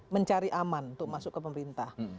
mencari aman untuk masuk ke pemerintah